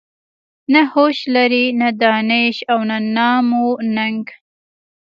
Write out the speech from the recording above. نه هوش لري نه دانش او نه نام و ننګ.